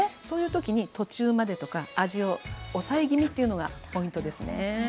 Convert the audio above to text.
そういう時に途中までとか味を抑え気味というのがポイントですね。